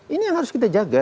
ini yang harus kita jaga